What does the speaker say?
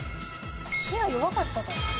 火が弱かったか。